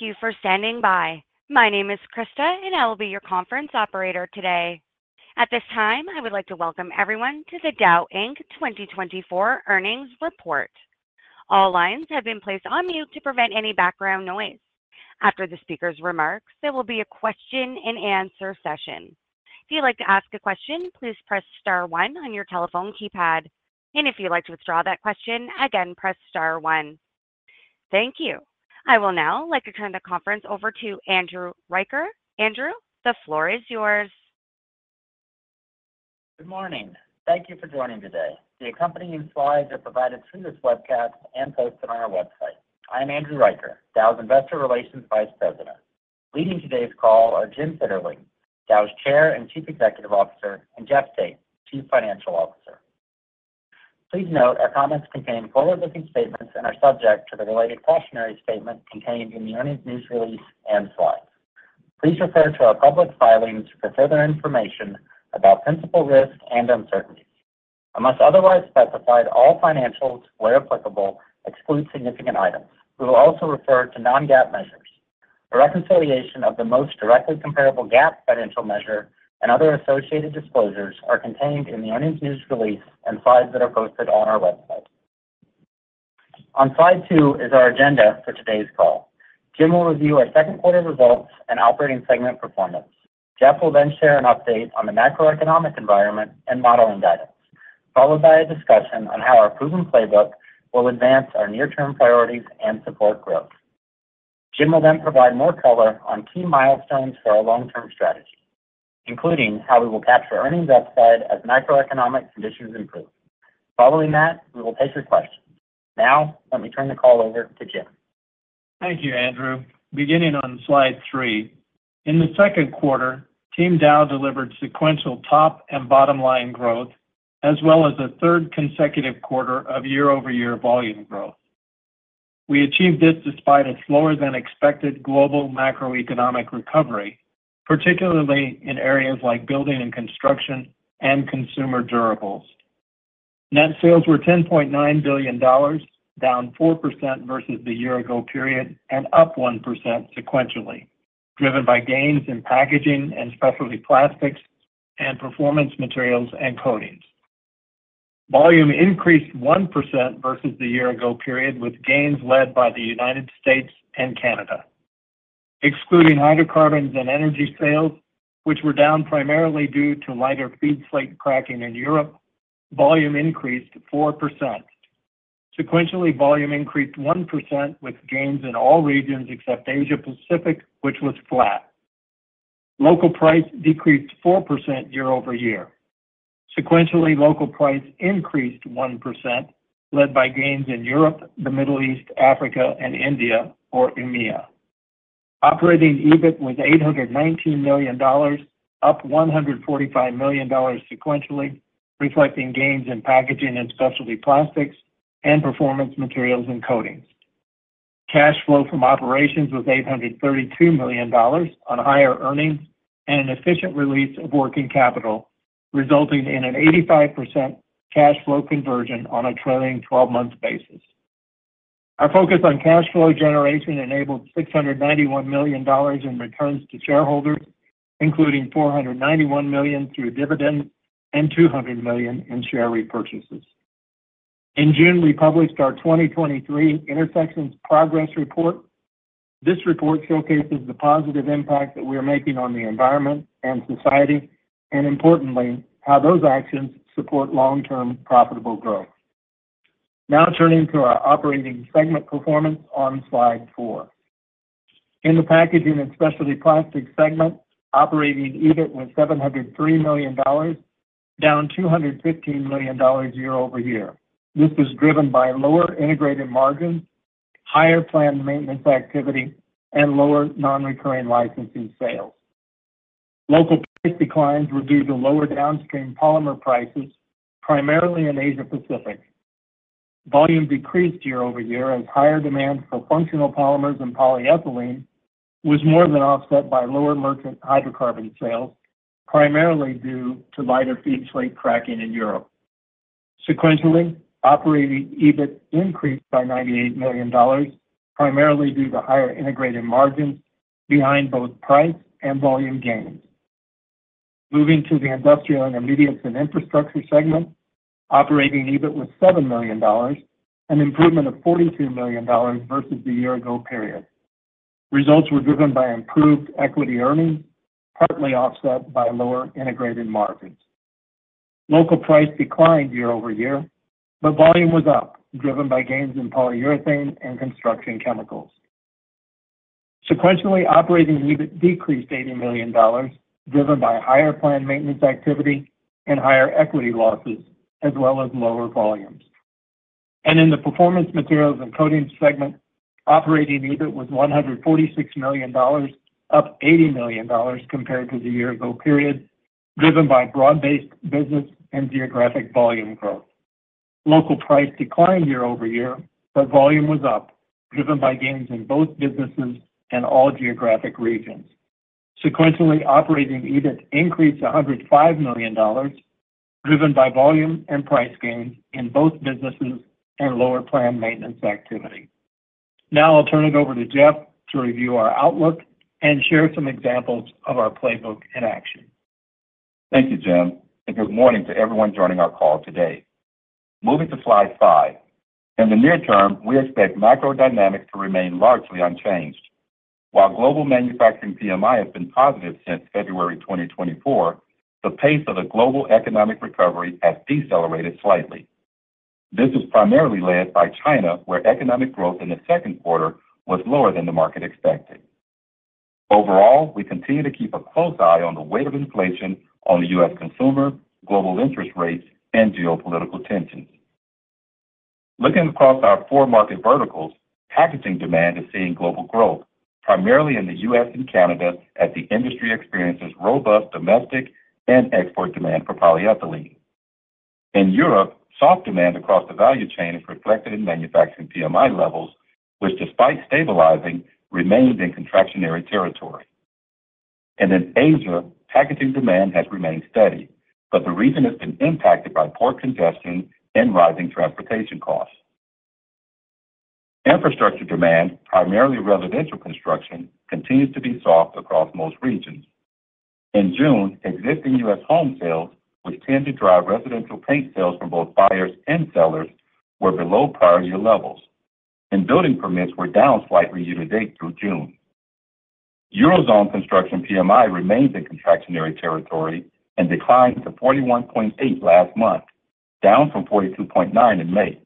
Thank you for standing by. My name is Krista, and I will be your conference operator today. At this time, I would like to welcome everyone to the Dow Inc. 2024 earnings report. All lines have been placed on mute to prevent any background noise. After the speaker's remarks, there will be a question-and-answer session. If you'd like to ask a question, please press star one on your telephone keypad, and if you'd like to withdraw that question, again, press star one. Thank you. I will now like to turn the conference over to Andrew Riker. Andrew, the floor is yours. Good morning. Thank you for joining today. The accompanying slides are provided through this webcast and posted on our website. I'm Andrew Riker, Dow's Investor Relations Vice President. Leading today's call are Jim Fitterling, Dow's Chair and Chief Executive Officer, and Jeff Tate, Chief Financial Officer. Please note, our comments contain forward-looking statements and are subject to the related cautionary statement contained in the earnings news release and slides. Please refer to our public filings for further information about principal risks and uncertainties. Unless otherwise specified, all financials, where applicable, exclude significant items. We will also refer to non-GAAP measures. A reconciliation of the most directly comparable GAAP financial measure and other associated disclosures are contained in the earnings news release and slides that are posted on our website. On slide two is our agenda for today's call. Jim will review our second quarter results and operating segment performance. Jeff will then share an update on the macroeconomic environment and modeling guidance, followed by a discussion on how our proven playbook will advance our near-term priorities and support growth. Jim will then provide more color on key milestones for our long-term strategy, including how we will capture earnings upside as macroeconomic conditions improve. Following that, we will take your questions. Now, let me turn the call over to Jim. Thank you, Andrew. Beginning on slide three, in the second quarter, Team Dow delivered sequential top and bottom line growth, as well as a third consecutive quarter of year-over-year volume growth. We achieved this despite a slower-than-expected global macroeconomic recovery, particularly in areas like building and construction and consumer durables. Net sales were $10.9 billion, down 4% versus the year ago period and up 1% sequentially, driven by gains in Packaging and Specialty Plastics and performance materials and coatings. Volume increased 1% versus the year ago period, with gains led by the United States and Canada. Excluding hydrocarbons and energy sales, which were down primarily due to lighter feed slate cracking in Europe, volume increased 4%. Sequentially, volume increased 1%, with gains in all regions except Asia Pacific, which was flat. Local price decreased 4% year-over-year. Sequentially, local price increased 1%, led by gains in Europe, the Middle East, Africa, and India or EMEA. Operating EBIT was $819 million, up $145 million sequentially, reflecting gains in packaging and specialty plastics and performance materials and coatings. Cash flow from operations was $832 million on higher earnings and an efficient release of working capital, resulting in an 85% cash flow conversion on a trailing twelve-month basis. Our focus on cash flow generation enabled $691 million in returns to shareholders, including $491 million through dividends and $200 million in share repurchases. In June, we published our 2023 Intersections Progress Report. This report showcases the positive impact that we are making on the environment and society, and importantly, how those actions support long-term profitable growth. Now, turning to our operating segment performance on slide four. In the packaging and specialty plastics segment, operating EBIT was $703 million, down $215 million year-over-year. This was driven by lower integrated margins, higher planned maintenance activity, and lower non-recurring licensing sales. Local price declines were due to lower downstream polymer prices, primarily in Asia Pacific. Volume decreased year-over-year as higher demand for functional polymers and polyethylene was more than offset by lower merchant hydrocarbon sales, primarily due to lighter feed slate cracking in Europe. Sequentially, operating EBIT increased by $98 million, primarily due to higher integrated margins behind both price and volume gains. Moving to the industrial intermediates and infrastructure segment, operating EBIT was $7 million, an improvement of $42 million versus the year ago period. Results were driven by improved equity earnings, partly offset by lower integrated margins. Local price declined year-over-year, but volume was up, driven by gains in polyurethane and construction chemicals. Sequentially, operating EBIT decreased $80 million, driven by higher planned maintenance activity and higher equity losses, as well as lower volumes. In the Performance Materials and Coatings segment, operating EBIT was $146 million, up $80 million compared to the year ago period, driven by broad-based business and geographic volume growth. Local price declined year-over-year, but volume was up, driven by gains in both businesses and all geographic regions.... Sequentially, operating EBIT increased to $105 million, driven by volume and price gains in both businesses and lower planned maintenance activity. Now, I'll turn it over to Jeff to review our outlook and share some examples of our playbook in action. Thank you, Jim, and good morning to everyone joining our call today. Moving to slide 5. In the near term, we expect macro dynamics to remain largely unchanged. While global manufacturing PMI has been positive since February 2024, the pace of the global economic recovery has decelerated slightly. This is primarily led by China, where economic growth in the second quarter was lower than the market expected. Overall, we continue to keep a close eye on the weight of inflation on the U.S. consumer, global interest rates, and geopolitical tensions. Looking across our four market verticals, packaging demand is seeing global growth, primarily in the U.S. and Canada, as the industry experiences robust domestic and export demand for polyethylene. In Europe, soft demand across the value chain is reflected in manufacturing PMI levels, which, despite stabilizing, remains in contractionary territory. In Asia, packaging demand has remained steady, but the region has been impacted by port congestion and rising transportation costs. Infrastructure demand, primarily residential construction, continues to be soft across most regions. In June, existing U.S. home sales, which tend to drive residential paint sales from both buyers and sellers, were below prior year levels, and building permits were down slightly year to date through June. Eurozone construction PMI remains in contractionary territory and declined to 41.8 last month, down from 42.9 in May.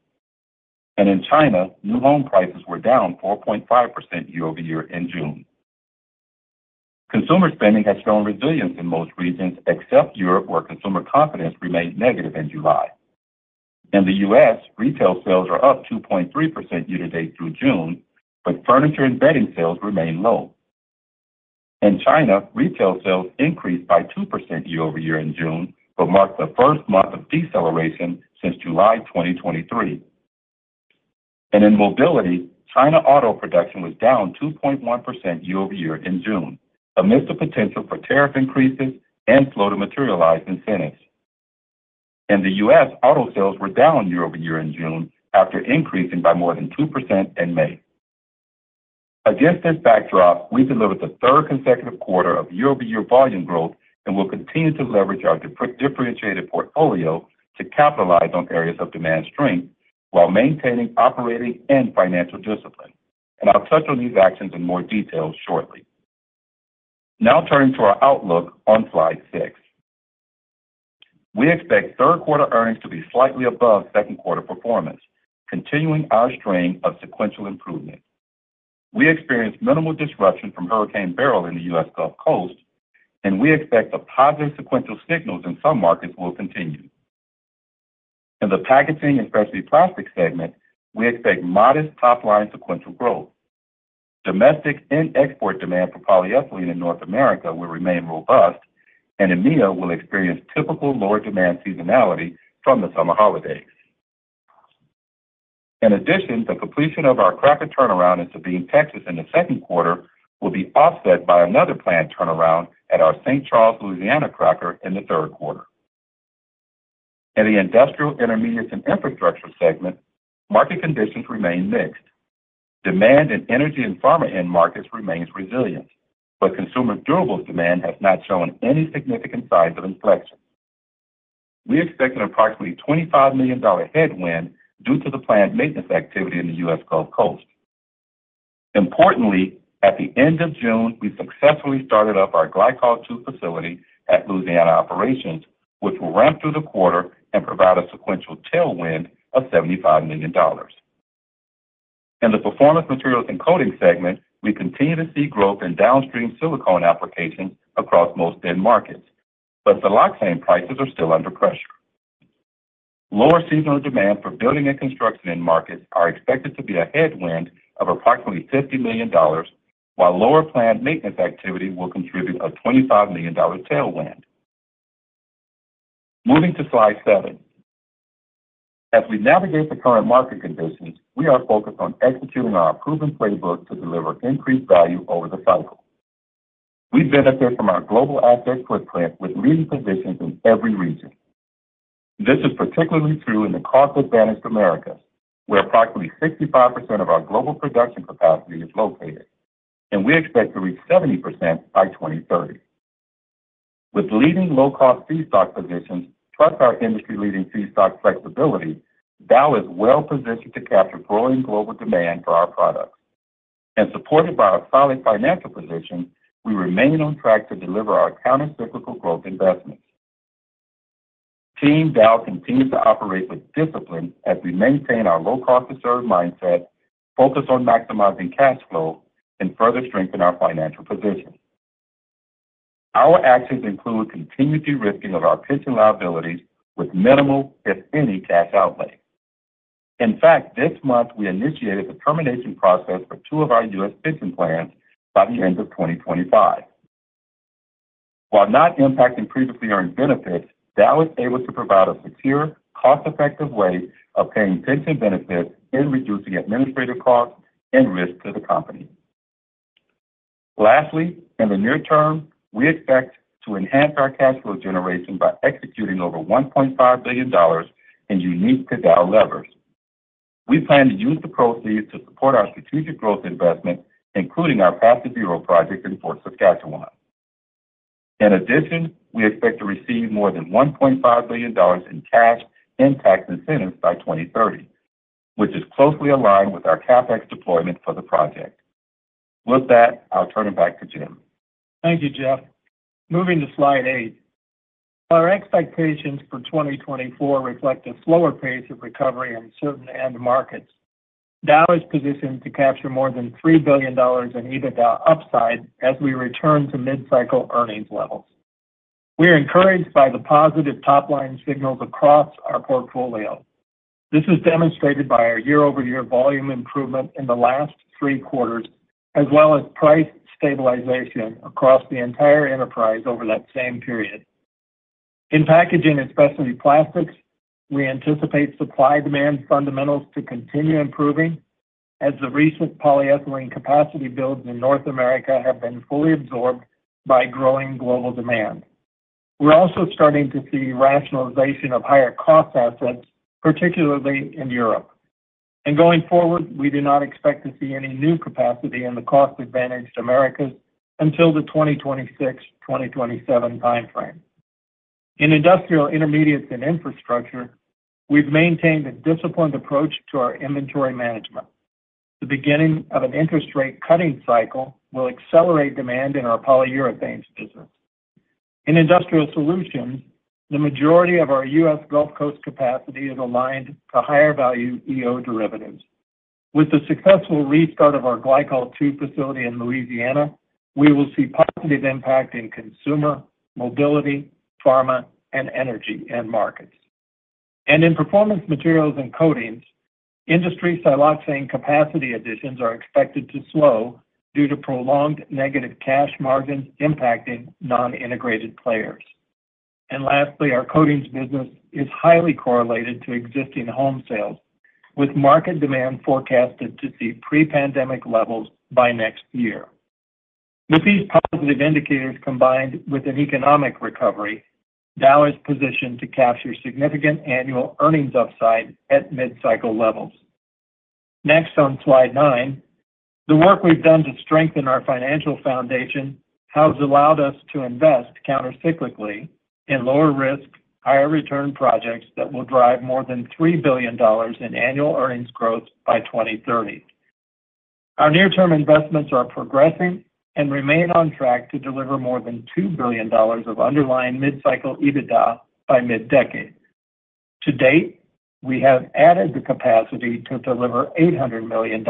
In China, new home prices were down 4.5% year-over-year in June. Consumer spending has shown resilience in most regions, except Europe, where consumer confidence remained negative in July. In the U.S., retail sales are up 2.3% year to date through June, but furniture and bedding sales remain low. In China, retail sales increased by 2% year-over-year in June, but marked the first month of deceleration since July 2023. And in mobility, China auto production was down 2.1% year-over-year in June, amidst the potential for tariff increases and slow to materialize incentives. In the U.S., auto sales were down year-over-year in June after increasing by more than 2% in May. Against this backdrop, we delivered the third consecutive quarter of year-over-year volume growth and will continue to leverage our differentiated portfolio to capitalize on areas of demand strength while maintaining operating and financial discipline. And I'll touch on these actions in more detail shortly. Now, turning to our outlook on slide 6. We expect third quarter earnings to be slightly above second quarter performance, continuing our string of sequential improvement. We experienced minimal disruption from Hurricane Beryl in the U.S. Gulf Coast, and we expect the positive sequential signals in some markets will continue. In the packaging and specialty plastics segment, we expect modest top-line sequential growth. Domestic and export demand for polyethylene in North America will remain robust, and EMEA will experience typical lower demand seasonality from the summer holidays. In addition, the completion of our cracker turnaround in Sabine, Texas, in the second quarter will be offset by another plant turnaround at our Saint Charles, Louisiana, cracker in the third quarter. In the Industrial Intermediates and Infrastructure segment, market conditions remain mixed. Demand in energy and pharma end markets remains resilient, but consumer durables demand has not shown any significant signs of inflection. We expect an approximately $25 million headwind due to the planned maintenance activity in the U.S. Gulf Coast. Importantly, at the end of June, we successfully started up our Glycol II facility at Louisiana operations, which will ramp through the quarter and provide a sequential tailwind of $75 million. In the Performance Materials and Coatings segment, we continue to see growth in downstream silicone applications across most end markets, but siloxane prices are still under pressure. Lower seasonal demand for building and construction end markets are expected to be a headwind of approximately $50 million, while lower planned maintenance activity will contribute a $25 million tailwind. Moving to slide 7. As we navigate the current market conditions, we are focused on executing our proven playbook to deliver increased value over the cycle. We benefit from our global asset footprint with leading positions in every region. This is particularly true in the cost-advantaged Americas, where approximately 65% of our global production capacity is located, and we expect to reach 70% by 2030. With leading low-cost feedstock positions, plus our industry-leading feedstock flexibility, Dow is well positioned to capture growing global demand for our products. And supported by our solid financial position, we remain on track to deliver our countercyclical growth investments. Team Dow continues to operate with discipline as we maintain our low-cost to serve mindset, focus on maximizing cash flow, and further strengthen our financial position. Our actions include continued de-risking of our pension liabilities with minimal, if any, cash outlay. In fact, this month, we initiated the termination process for two of our US pension plans by the end of 2025.... While not impacting previously earned benefits, Dow is able to provide a secure, cost-effective way of paying pension benefits and reducing administrative costs and risk to the company. Lastly, in the near term, we expect to enhance our cash flow generation by executing over $1.5 billion in unique to Dow levers. We plan to use the proceeds to support our strategic growth investment, including our Path to Zero project in Fort Saskatchewan. In addition, we expect to receive more than $1.5 billion in cash and tax incentives by 2030, which is closely aligned with our CapEx deployment for the project. With that, I'll turn it back to Jim. Thank you, Jeff. Moving to slide 8. Our expectations for 2024 reflect a slower pace of recovery in certain end markets. Dow is positioned to capture more than $3 billion in EBITDA upside as we return to mid-cycle earnings levels. We are encouraged by the positive top-line signals across our portfolio. This is demonstrated by our year-over-year volume improvement in the last three quarters, as well as price stabilization across the entire enterprise over that same period. In packaging and specialty plastics, we anticipate supply-demand fundamentals to continue improving as the recent polyethylene capacity builds in North America have been fully absorbed by growing global demand. We're also starting to see rationalization of higher cost assets, particularly in Europe. And going forward, we do not expect to see any new capacity in the cost-advantaged Americas until the 2026, 2027 time frame. In industrial intermediates and infrastructure, we've maintained a disciplined approach to our inventory management. The beginning of an interest rate cutting cycle will accelerate demand in our polyurethanes business. In Industrial Solutions, the majority of our U.S. Gulf Coast capacity is aligned to higher value EO derivatives. With the successful restart of our Glycol 2 facility in Louisiana, we will see positive impact in consumer, mobility, pharma, and energy end markets. And in performance materials and coatings, industry siloxane capacity additions are expected to slow due to prolonged negative cash margins impacting non-integrated players. And lastly, our coatings business is highly correlated to existing home sales, with market demand forecasted to see pre-pandemic levels by next year. With these positive indicators combined with an economic recovery, Dow is positioned to capture significant annual earnings upside at mid-cycle levels. Next, on slide nine, the work we've done to strengthen our financial foundation has allowed us to invest countercyclically in lower risk, higher return projects that will drive more than $3 billion in annual earnings growth by 2030. Our near-term investments are progressing and remain on track to deliver more than $2 billion of underlying mid-cycle EBITDA by mid-decade. To date, we have added the capacity to deliver $800 million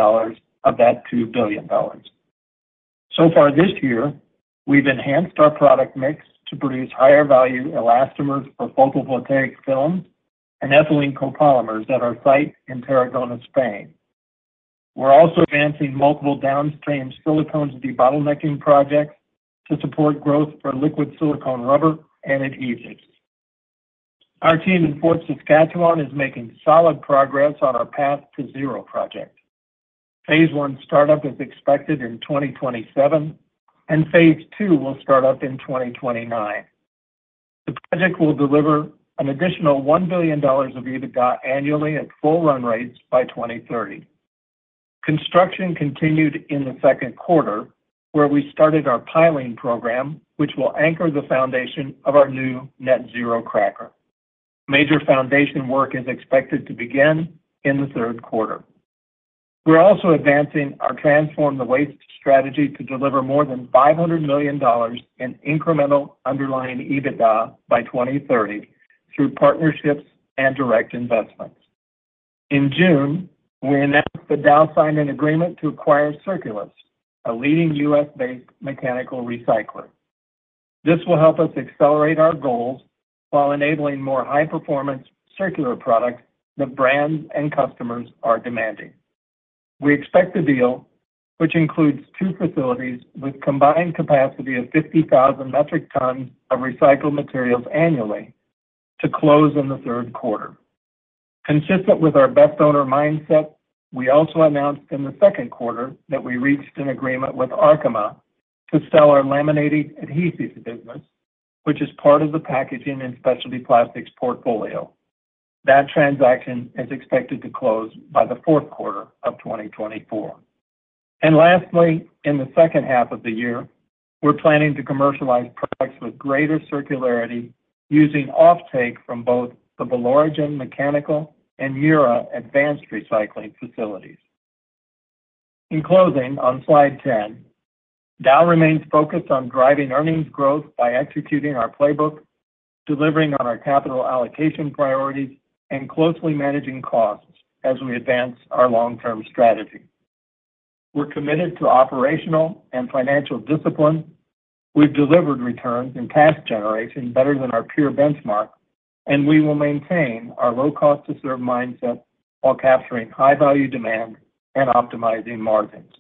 of that $2 billion. So far this year, we've enhanced our product mix to produce higher value elastomers for photovoltaic films and ethylene copolymers at our site in Tarragona, Spain. We're also advancing multiple downstream silicone debottlenecking projects to support growth for liquid silicone rubber and adhesives. Our team in Fort Saskatchewan is making solid progress on our Path to Zero project. Phase one startup is expected in 2027, and phase two will start up in 2029. The project will deliver an additional $1 billion of EBITDA annually at full run rates by 2030. Construction continued in the second quarter, where we started our piling program, which will anchor the foundation of our new net-zero cracker. Major foundation work is expected to begin in the third quarter. We're also advancing our Transform the Waste strategy to deliver more than $500 million in incremental underlying EBITDA by 2030 through partnerships and direct investments. In June, we announced that Dow signed an agreement to acquire Circulus, a leading U.S.-based mechanical recycler. This will help us accelerate our goals while enabling more high-performance circular products that brands and customers are demanding. We expect the deal, which includes two facilities with combined capacity of 50,000 metric tons of recycled materials annually, to close in the third quarter. Consistent with our best owner mindset, we also announced in the second quarter that we reached an agreement with Arkema to sell our laminating adhesives business, which is part of the packaging and specialty plastics portfolio. That transaction is expected to close by the fourth quarter of 2024. And lastly, in the second half of the year, we're planning to commercialize products with greater circularity using offtake from both the Beringen Mechanical and Mura Advanced Recycling facilities. In closing, on slide 10, Dow remains focused on driving earnings growth by executing our playbook, delivering on our capital allocation priorities, and closely managing costs as we advance our long-term strategy. We're committed to operational and financial discipline. We've delivered returns and cash generation better than our peer benchmark,... and we will maintain our low cost to serve mindset while capturing high-value demand and optimizing margins.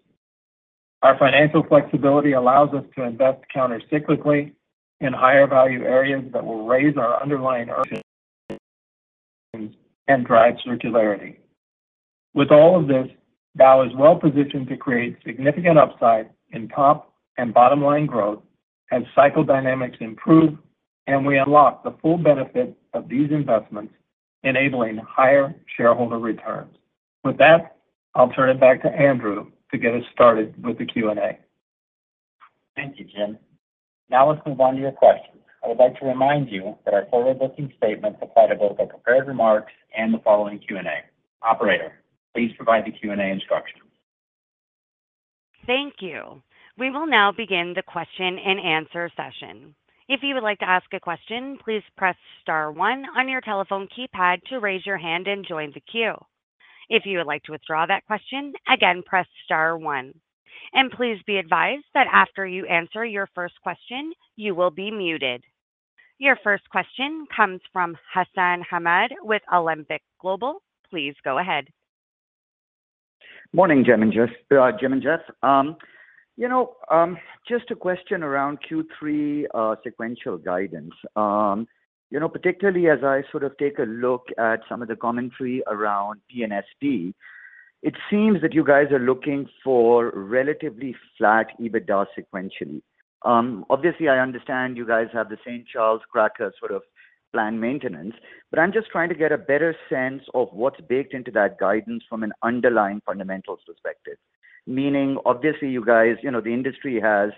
Our financial flexibility allows us to invest countercyclically in higher value areas that will raise our underlying earnings and drive circularity. With all of this, Dow is well-positioned to create significant upside in top and bottom line growth as cycle dynamics improve, and we unlock the full benefit of these investments, enabling higher shareholder returns. With that, I'll turn it back to Andrew to get us started with the Q&A. Thank you, Jim. Now let's move on to your questions. I would like to remind you that our forward-looking statements apply to both the prepared remarks and the following Q&A. Operator, please provide the Q&A instruction. Thank you. We will now begin the question-and-answer session. If you would like to ask a question, please press star one on your telephone keypad to raise your hand and join the queue. If you would like to withdraw that question, again, press star one. And please be advised that after you answer your first question, you will be muted. Your first question comes from Hassan Ahmed with Alembic Global Advisors. Please go ahead. Morning, Jim and Jeff. You know, just a question around Q3 sequential guidance. You know, particularly as I sort of take a look at some of the commentary around P&SP, it seems that you guys are looking for relatively flat EBITDA sequentially. Obviously, I understand you guys have the St. Charles cracker sort of planned maintenance, but I'm just trying to get a better sense of what's baked into that guidance from an underlying fundamentals perspective. Meaning, obviously, you guys, you know, the industry has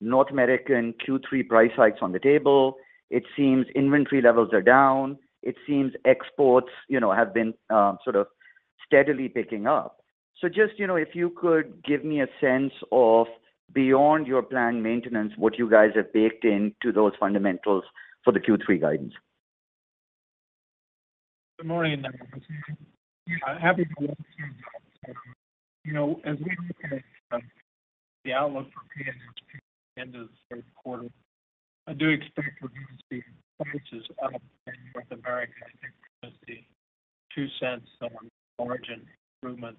North American Q3 price hikes on the table. It seems inventory levels are down. It seems exports, you know, have been sort of steadily picking up. So just, you know, if you could give me a sense of, beyond your planned maintenance, what you guys have baked into those fundamentals for the Q3 guidance. Good morning. I'm happy to understand. You know, as we look at the outlook for P&SP into the third quarter, I do expect to see prices up in North America. I think we're gonna see $0.02 on margin improvement.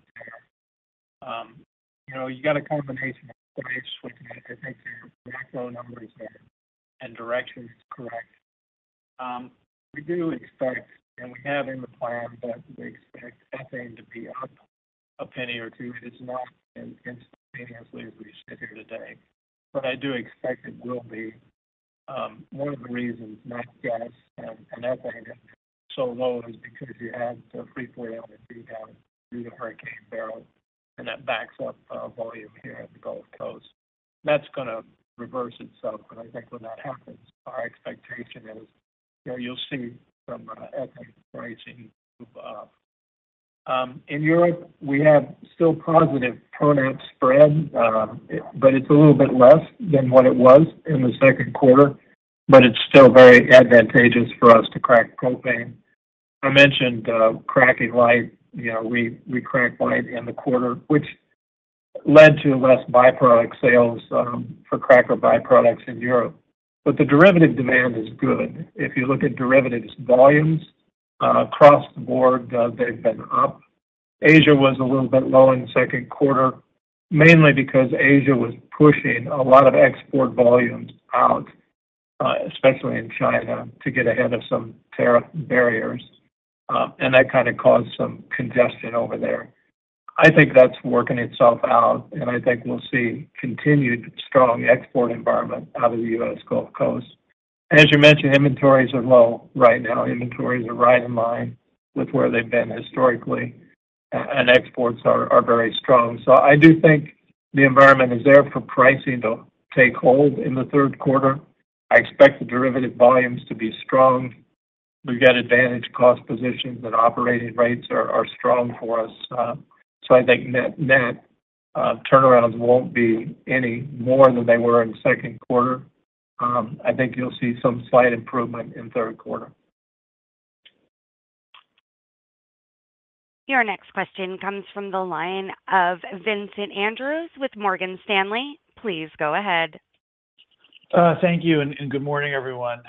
You know, you got a combination of price, which I think the macro number is there and direction is correct. We do expect, and we have in the plan, that we expect ethane to be up $0.01-$0.02. It's not been instantaneously as we sit here today, but I do expect it will be. One of the reasons natural gas and ethane is so low is because you had the Freeport LNG down due to Hurricane Beryl, and that backs up volume here at the Gulf Coast. That's gonna reverse itself, but I think when that happens, our expectation is that you'll see some ethylene pricing move up. In Europe, we have still positive propane spread, but it's a little bit less than what it was in the second quarter, but it's still very advantageous for us to crack propane. I mentioned cracking light. You know, we cracked light in the quarter, which led to less byproduct sales for cracker byproducts in Europe, but the derivative demand is good. If you look at derivatives volumes across the board, they've been up. Asia was a little bit low in the second quarter, mainly because Asia was pushing a lot of export volumes out, especially in China, to get ahead of some tariff barriers, and that kind of caused some congestion over there. I think that's working itself out, and I think we'll see continued strong export environment out of the U.S. Gulf Coast. As you mentioned, inventories are low right now. Inventories are right in line with where they've been historically, and exports are very strong. So I do think the environment is there for pricing to take hold in the third quarter. I expect the derivative volumes to be strong. We've got advantaged cost positions and operating rates are strong for us, so I think net turnarounds won't be any more than they were in the second quarter. I think you'll see some slight improvement in third quarter. Your next question comes from the line of Vincent Andrews with Morgan Stanley. Please go ahead. Thank you, and good morning, everyone.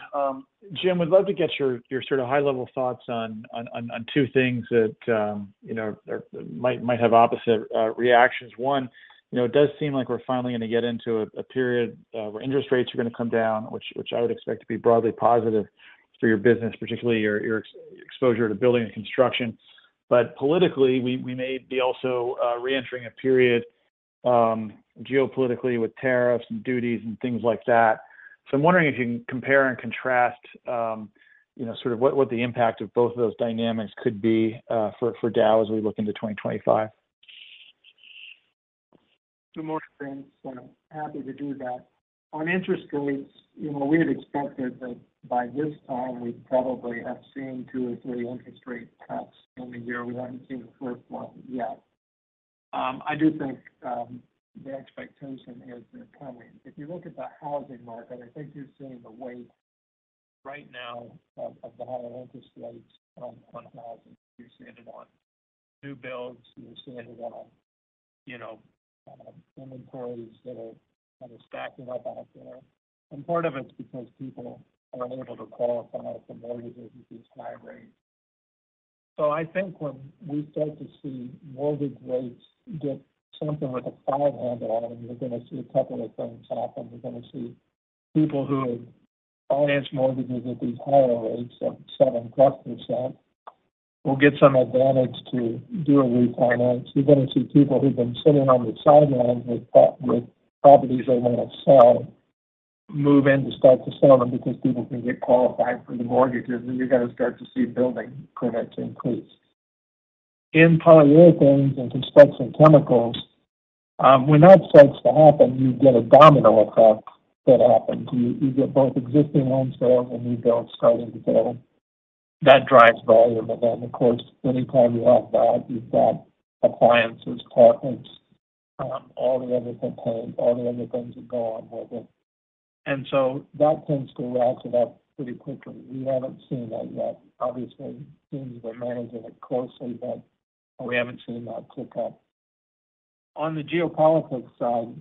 Jim, would love to get your sort of high-level thoughts on two things that you know might have opposite reactions. One, you know, it does seem like we're finally gonna get into a period where interest rates are gonna come down, which I would expect to be broadly positive for your business, particularly your exposure to building and construction. But politically, we may be also reentering a period geopolitically with tariffs and duties and things like that. So I'm wondering if you can compare and contrast you know sort of what the impact of both of those dynamics could be for Dow as we look into 2025. Good morning, Vincent. Happy to do that. On interest rates, you know, we had expected that by this time we probably have seen two or three interest rate cuts in the year. We haven't seen the first one yet. I do think the expectation is they're coming. If you look at the housing market, I think you're seeing the weight right now of the higher interest rates on housing. You're seeing it on new builds, you're seeing it on-... you know, inventories that are kind of stacking up out there. And part of it's because people are unable to qualify for mortgages with these high rates. So I think when we start to see mortgage rates get something like a five handle on them, you're gonna see a couple of things happen. We're gonna see people who have financed mortgages at these higher rates of 7%+, will get some advantage to do a refinance. You're gonna see people who've been sitting on the sidelines with properties they want to sell, move in to start to sell them because people can get qualified for the mortgages, and you're gonna start to see building permits increase. In polyolefins and construction chemicals, when that starts to happen, you get a domino effect that happens. You, you get both existing homes sold and new builds starting to build. That drives volume. And then, of course, when you call you out that, you've got appliances, carpets, all the other components, all the other things that go on with it. And so that tends to ratchet up pretty quickly. We haven't seen that yet. Obviously, teams are managing it closely, but we haven't seen that tick up. On the geopolitics side,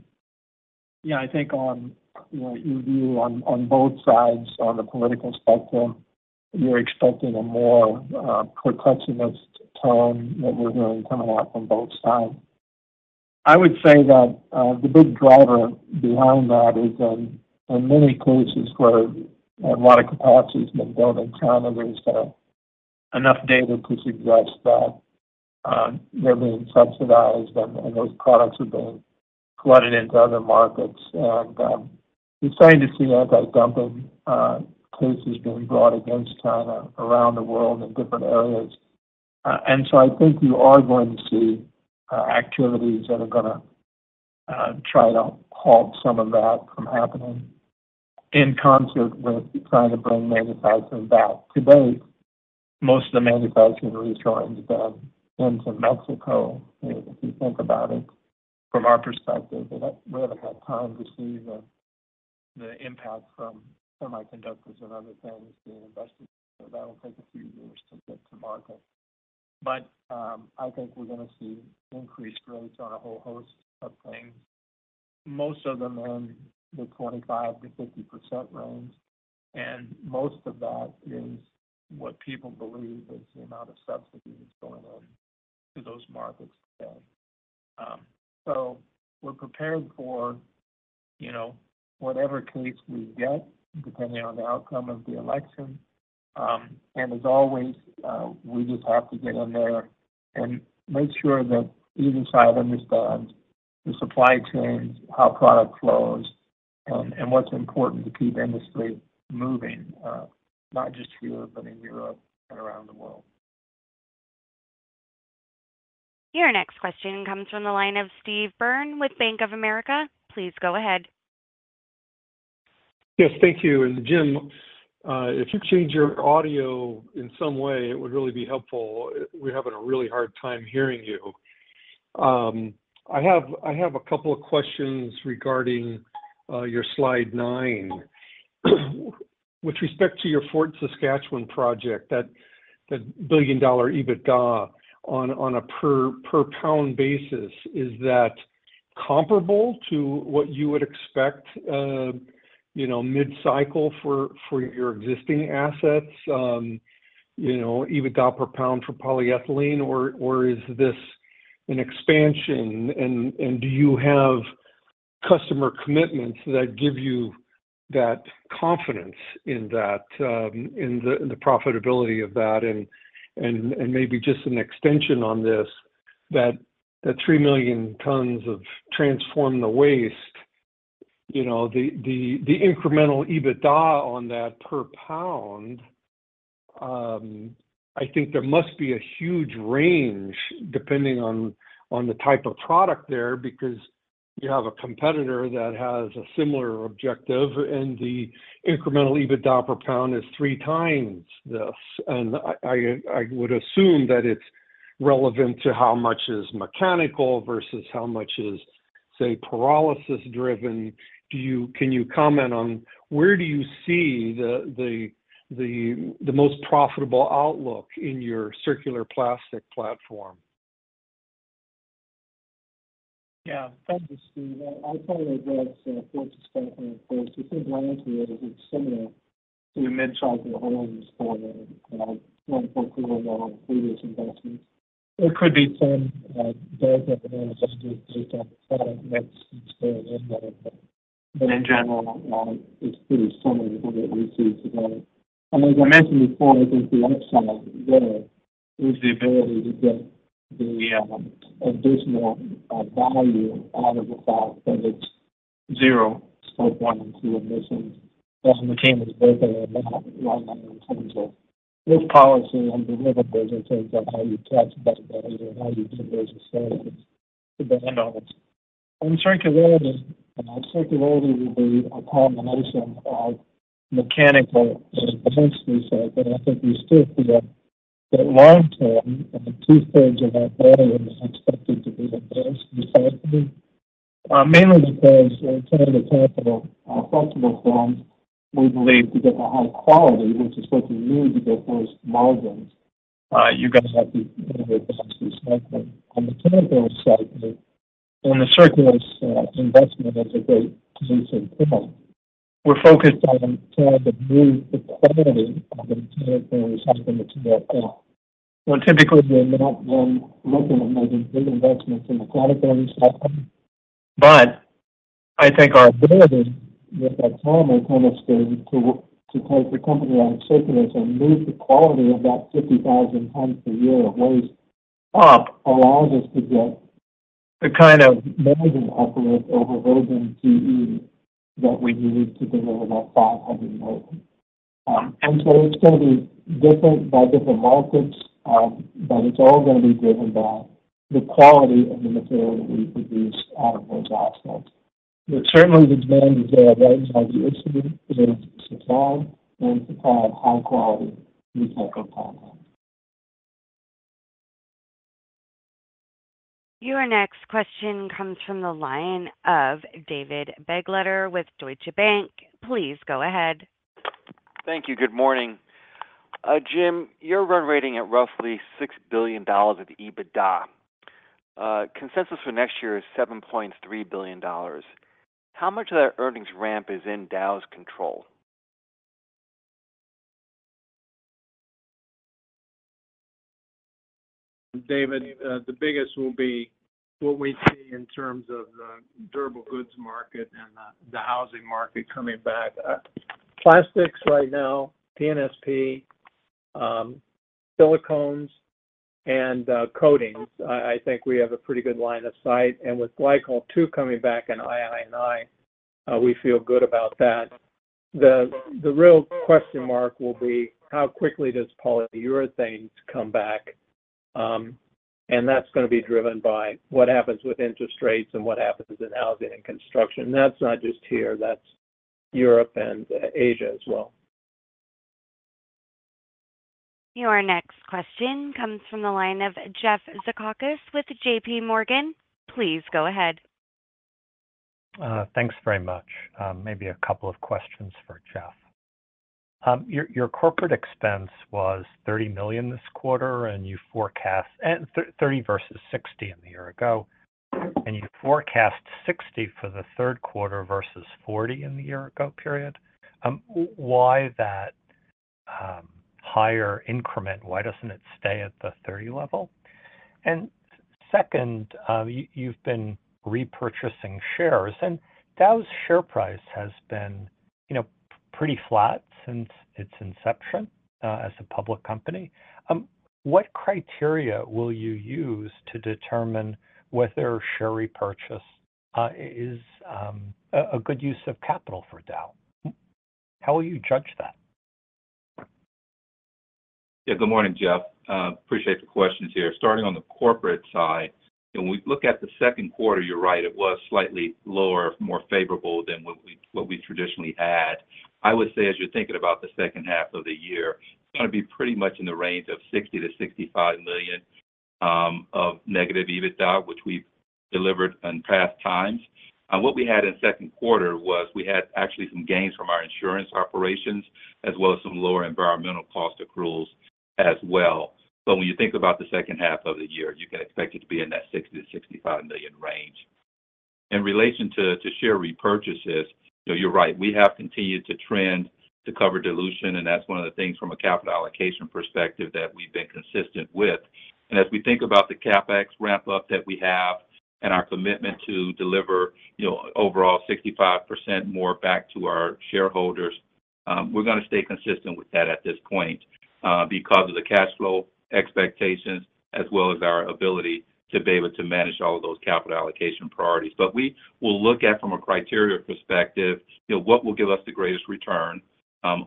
yeah, I think on, you know, you view on, on both sides on the political spectrum, you're expecting a more, protectionist tone that we're going to come out from both sides. I would say that, the big driver behind that is, in many cases where a lot of capacity has been built in China, there's enough data to suggest that, they're being subsidized and those products are being flooded into other markets. And, we're starting to see anti-dumping cases being brought against China around the world in different areas. And so I think you are going to see activities that are gonna try to halt some of that from happening in concert with trying to bring manufacturing back. To date, most of the manufacturing has really gone to them, into Mexico. If you think about it, from our perspective, we haven't had time to see the impact from semiconductors and other things being invested. So that'll take a few years to get to market. But, I think we're gonna see increased rates on a whole host of things, most of them in the 25%-50% range, and most of that is what people believe is the amount of subsidies going on to those markets today. So we're prepared for, you know, whatever case we get, depending on the outcome of the election. And as always, we just have to get in there and make sure that each side understands the supply chains, how product flows, and what's important to keep industry moving, not just here, but in Europe and around the world. Your next question comes from the line of Steve Byrne with Bank of America. Please go ahead. Yes, thank you. And, Jim, if you change your audio in some way, it would really be helpful. We're having a really hard time hearing you. I have a couple of questions regarding your slide nine. With respect to your Fort Saskatchewan project, that billion-dollar EBITDA on a per pound basis, is that comparable to what you would expect, you know, mid-cycle for your existing assets, you know, EBITDA per pound for polyethylene? Or is this an expansion? And do you have customer commitments that give you that confidence in that, in the profitability of that? And maybe just an extension on this, that the 3 million tons of Transform the Waste, you know, the incremental EBITDA on that per pound, I think there must be a huge range depending on the type of product there, because you have a competitor that has a similar objective, and the incremental EBITDA per pound is 3 times this. And I would assume that it's relevant to how much is mechanical versus how much is, say, pyrolysis-driven. Can you comment on where do you see the most profitable outlook in your circular plastic platform? Yeah. Thank you, Steve. I probably would say Fort Saskatchewan, first, we think long-term is similar to the mid-cycle earnings for previous investments. It could be some delta in terms of the detail that's still in there, but in general, it's pretty similar to what we see today. And as I mentioned before, I think the upside there is the ability to get the additional value out of the fact that it's zero Scope 1 and 2 emissions. And we can't expect that right now in terms of this policy and deliverables in terms of how you capture that value and how you convert those facilities to the end of it. On circularity, circularity will be a combination of mechanical and eventually chemical, but I think we still feel that long-term, and the two-thirds of our volume is expected to be the best we thought it would be. Mainly because in terms of the capital, flexible forms, we believe to get the high quality, which is what you need to get those margins, you're gonna have to increase slightly. On the chemical side, on the circulars, investment, that's a great case in point. We're focused on trying to move the quality of the material side to that point. So typically, we're not then looking at making big investments in the product side, but I think our ability with that time to kind of take the company on Circulus and move the quality of that 50,000 tons per year of waste up allows us to get the kind of margin uplift over volume PE that we need to deliver that $500 million. And so it's gonna be different by different markets, but it's all gonna be driven by the quality of the material that we produce out of those assets. But certainly, the demand is there, right? The issue is supply and supply of high-quality recycled content. Your next question comes from the line of David Begleiter with Deutsche Bank. Please go ahead. Thank you. Good morning. Jim, your run rate at roughly $6 billion of EBITDA. Consensus for next year is $7.3 billion. How much of that earnings ramp is in Dow's control? David, the biggest will be what we see in terms of the durable goods market and the housing market coming back. Plastics right now, P&SP, silicones, and coatings. I think we have a pretty good line of sight, and with Glycol 2 coming back in June, we feel good about that. The real question mark will be: How quickly does polyurethanes come back? And that's gonna be driven by what happens with interest rates and what happens in housing and construction. That's not just here, that's Europe and Asia as well. Your next question comes from the line of Jeffrey Zekauskas with JP Morgan. Please go ahead. Thanks very much. Maybe a couple of questions for Jeff. Your corporate expense was $30 million this quarter, and you forecast $30 versus $60 in the year ago, and you forecast $60 for the third quarter versus $40 in the year-ago period. Why that higher increment? Why doesn't it stay at the $30 level? And second, you've been repurchasing shares, and Dow's share price has been, you know, pretty flat since its inception as a public company. What criteria will you use to determine whether a share repurchase is a good use of capital for Dow? How will you judge that? Yeah. Good morning, Jeff. Appreciate the questions here. Starting on the corporate side, when we look at the second quarter, you're right, it was slightly lower, more favorable than what we traditionally had. I would say, as you're thinking about the second half of the year, it's gonna be pretty much in the range of $60 million-$65 million of negative EBITDA, which we've delivered in past times. And what we had in second quarter was we had actually some gains from our insurance operations, as well as some lower environmental cost accruals as well. So when you think about the second half of the year, you can expect it to be in that $60 million-$65 million range. In relation to share repurchases, so you're right, we have continued to trend to cover dilution, and that's one of the things from a capital allocation perspective that we've been consistent with. As we think about the CapEx ramp-up that we have and our commitment to deliver, you know, overall 65% more back to our shareholders, we're gonna stay consistent with that at this point, because of the cash flow expectations as well as our ability to be able to manage all of those capital allocation priorities. But we will look at, from a criteria perspective, you know, what will give us the greatest return,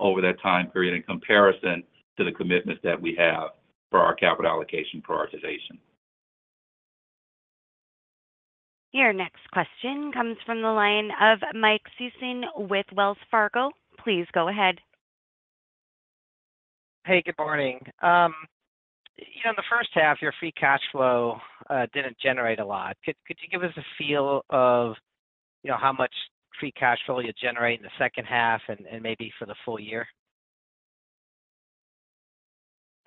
over that time period in comparison to the commitments that we have for our capital allocation prioritization. Your next question comes from the line of Michael Sison with Wells Fargo. Please go ahead. Hey, good morning. You know, in the first half, your free cash flow didn't generate a lot. Could you give us a feel of, you know, how much free cash flow you generate in the second half and maybe for the full year?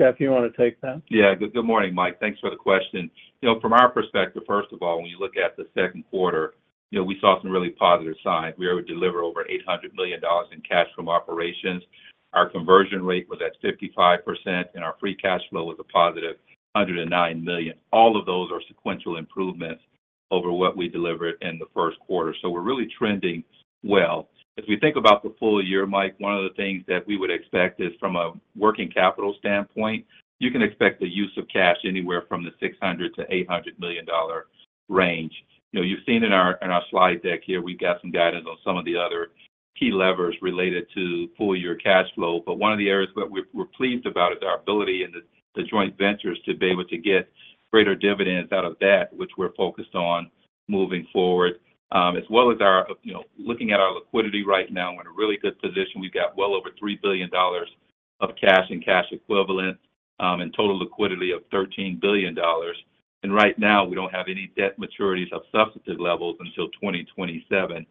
Jeff, you want to take that? Yeah. Good morning, Mike. Thanks for the question. You know, from our perspective, first of all, when you look at the second quarter, you know, we saw some really positive signs. We were able to deliver over $800 million in cash from operations. Our conversion rate was at 55%, and our free cash flow was a positive $109 million. All of those are sequential improvements over what we delivered in the first quarter, so we're really trending well. As we think about the full year, Mike, one of the things that we would expect is from a working capital standpoint, you can expect the use of cash anywhere from the $600 million-$800 million range. You know, you've seen in our slide deck here, we've got some guidance on some of the other key levers related to full year cash flow. But one of the areas that we're pleased about is our ability and the joint ventures to be able to get greater dividends out of that, which we're focused on moving forward. As well as our, you know, looking at our liquidity right now, in a really good position. We've got well over $3 billion of cash and cash equivalent, and total liquidity of $13 billion. Right now, we don't have any debt maturities of substantive levels until 2027.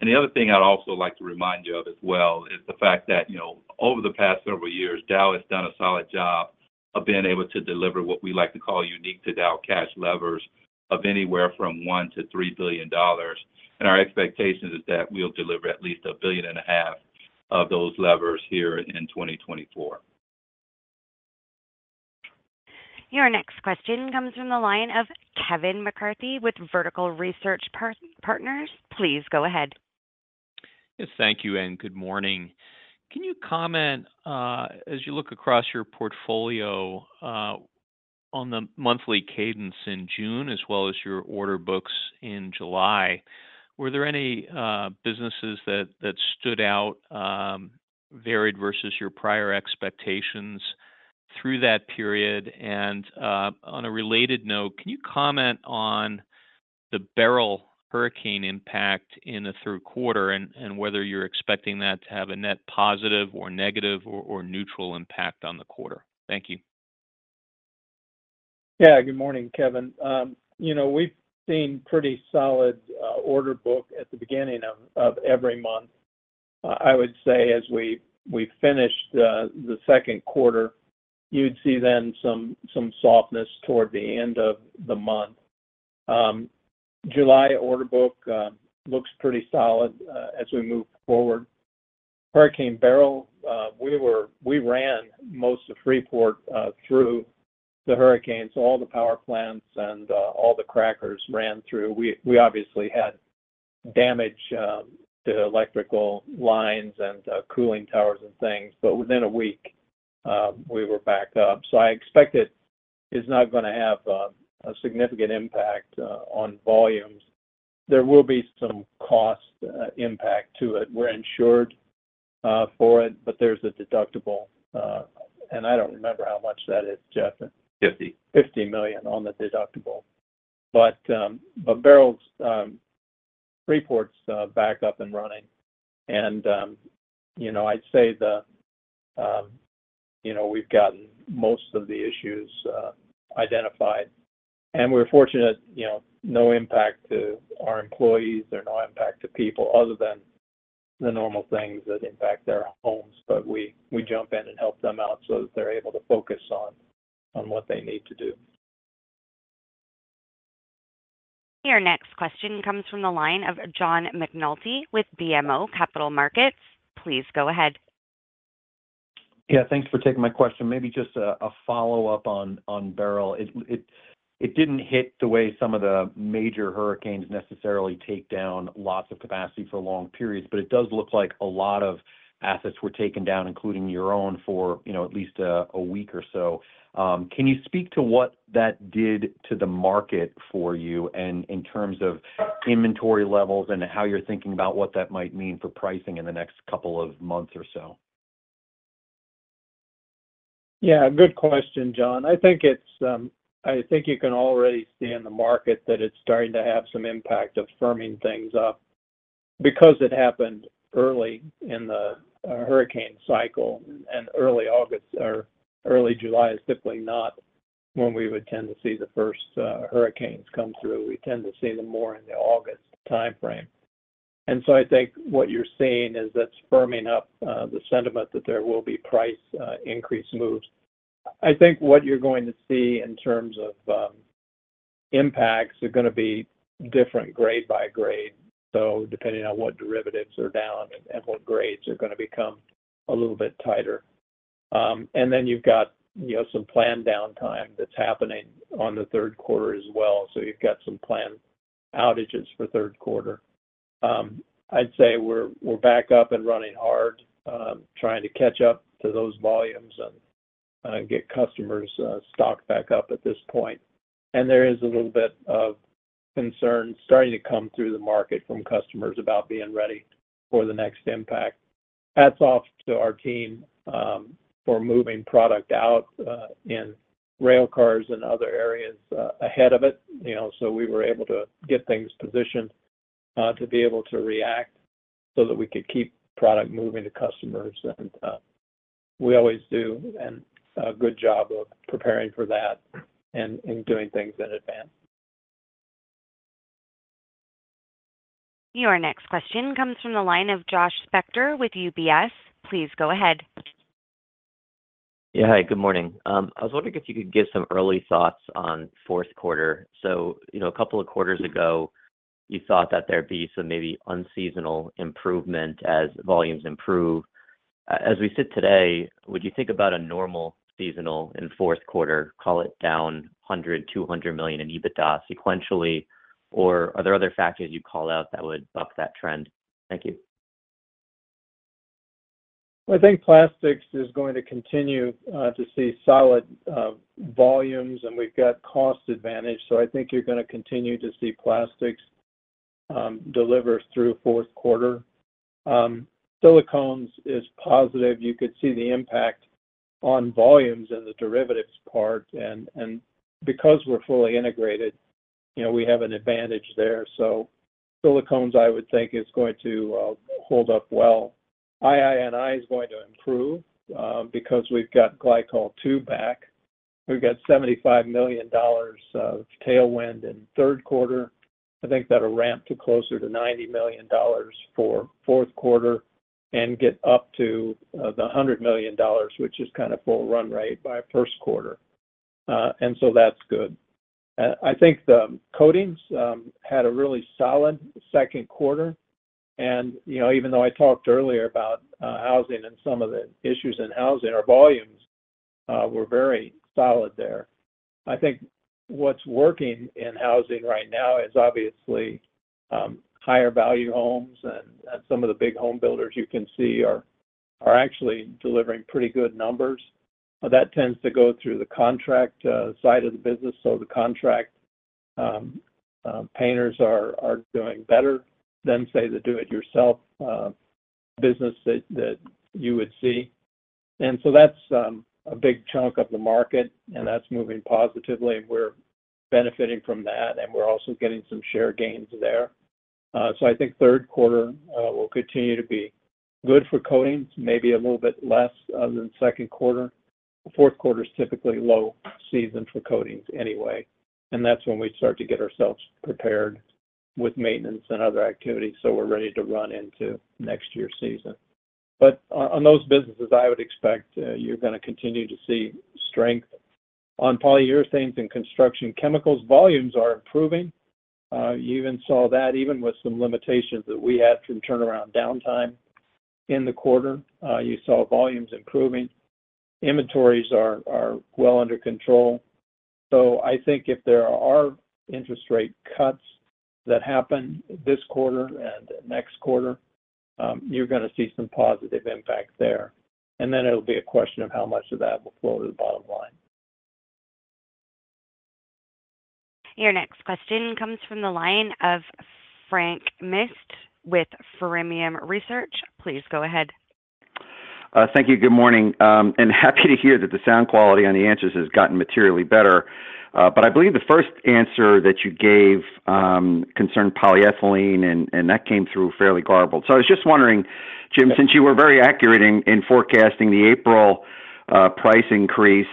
The other thing I'd also like to remind you of as well, is the fact that, you know, over the past several years, Dow has done a solid job of being able to deliver what we like to call unique to Dow cash levers of anywhere from $1-$3 billion. And our expectation is that we'll deliver at least $1.5 billion of those levers here in 2024. Your next question comes from the line of Kevin McCarthy with Vertical Research Partners. Please go ahead. Yes, thank you, and good morning. Can you comment as you look across your portfolio on the monthly cadence in June, as well as your order books in July, were there any businesses that stood out, varied versus your prior expectations through that period? And on a related note, can you comment on the Hurricane Beryl impact in the third quarter, and whether you're expecting that to have a net positive, or negative, or neutral impact on the quarter? Thank you. Yeah. Good morning, Kevin. You know, we've seen pretty solid order book at the beginning of every month. I would say as we finished the second quarter, you'd see then some softness toward the end of the month. July order book looks pretty solid as we move forward. Hurricane Beryl, we ran most of Freeport through the hurricane, so all the power plants and all the crackers ran through. We obviously had damage to electrical lines and cooling towers and things, but within a week, we were back up. So I expect it is not gonna have a significant impact on volumes. There will be some cost impact to it. We're insured for it, but there's a deductible, and I don't remember how much that is, Jeff. Fifty. $50 million on the deductible. But Beryl's Freeport's back up and running, and, you know, I'd say that, you know, we've gotten most of the issues identified. And we're fortunate, you know, no impact to our employees or no impact to people, other than the normal things that impact their homes. But we jump in and help them out, so that they're able to focus on what they need to do. Your next question comes from the line of John McNulty with BMO Capital Markets. Please go ahead. Yeah, thanks for taking my question. Maybe just a follow-up on Beryl. It didn't hit the way some of the major hurricanes necessarily take down lots of capacity for long periods, but it does look like a lot of assets were taken down, including your own, for, you know, at least a week or so. Can you speak to what that did to the market for you, and in terms of inventory levels and how you're thinking about what that might mean for pricing in the next couple of months or so? Yeah, good question, John. I think you can already see in the market that it's starting to have some impact of firming things up, because it happened early in the hurricane cycle, and early August or early July is typically not when we would tend to see the first hurricanes come through. We tend to see them more in the August timeframe. And so I think what you're seeing is that's firming up the sentiment that there will be price increase moves. I think what you're going to see in terms of impacts are gonna be different grade by grade, so depending on what derivatives are down and what grades are gonna become a little bit tighter. And then you've got, you know, some planned downtime that's happening on the third quarter as well, so you've got some planned outages for third quarter. I'd say we're back up and running hard, trying to catch up to those volumes and get customers stocked back up at this point. And there is a little bit of concern starting to come through the market from customers about being ready for the next impact. Hats off to our team for moving product out in rail cars and other areas ahead of it, you know, so we were able to get things positioned to be able to react, so that we could keep product moving to customers. And we always do a good job of preparing for that and doing things in advance. Your next question comes from the line of Josh Spector with UBS. Please go ahead. Yeah. Hi, good morning. I was wondering if you could give some early thoughts on fourth quarter. So, you know, a couple of quarters ago, you thought that there'd be some maybe unseasonal improvement as volumes improve. As we sit today, would you think about a normal seasonal in fourth quarter, call it down $100-$200 million in EBITDA sequentially, or are there other factors you'd call out that would buck that trend? Thank you. I think plastics is going to continue to see solid volumes, and we've got cost advantage, so I think you're gonna continue to see plastics deliver through fourth quarter. Silicones is positive. You could see the impact on volumes in the derivatives part, and because we're fully integrated. You know, we have an advantage there. So silicones, I would think, is going to hold up well. II&I is going to improve because we've got Glycol 2 back. We've got $75 million of tailwind in third quarter. I think that'll ramp to closer to $90 million for fourth quarter and get up to the $100 million, which is kind of full run rate by first quarter. And so that's good. I think the coatings had a really solid second quarter. You know, even though I talked earlier about housing and some of the issues in housing, our volumes were very solid there. I think what's working in housing right now is obviously higher value homes, and some of the big home builders you can see are actually delivering pretty good numbers. But that tends to go through the contract side of the business. So the contract painters are doing better than, say, the do-it-yourself business that you would see. And so that's a big chunk of the market, and that's moving positively. We're benefiting from that, and we're also getting some share gains there. So I think third quarter will continue to be good for coatings, maybe a little bit less than second quarter. Fourth quarter is typically low season for coatings anyway, and that's when we start to get ourselves prepared with maintenance and other activities, so we're ready to run into next year's season. But on those businesses, I would expect, you're gonna continue to see strength. On polyurethanes and construction chemicals, volumes are improving. You even saw that even with some limitations that we had some turnaround downtime in the quarter, you saw volumes improving. Inventories are, are well under control. So I think if there are interest rate cuts that happen this quarter and next quarter, you're gonna see some positive impact there. And then it'll be a question of how much of that will flow to the bottom line. Your next question comes from the line of Frank Mitsch with Fermium Research. Please go ahead. Thank you. Good morning. And happy to hear that the sound quality on the answers has gotten materially better. But I believe the first answer that you gave concerned polyethylene, and that came through fairly garbled. So I was just wondering, Jim, since you were very accurate in forecasting the April price increase,